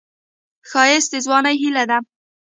ښایست د ځوانۍ هیلې ده